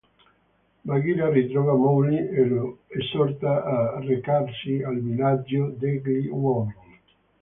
Bagheera ritrova Mowgli e lo esorta a recarsi al villaggio degli uomini.